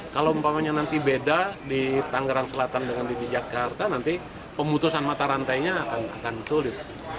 kalau umpamanya nanti beda di tangerang selatan dengan di jakarta nanti pemutusan mata rantainya akan sulit